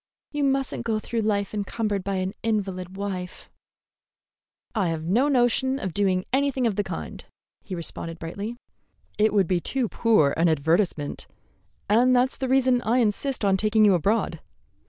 You must n't go through life encumbered by an invalid wife." "I've no notion of doing anything of the kind," he responded brightly. "It would be too poor an advertisement, and that's the reason I insist on taking you abroad.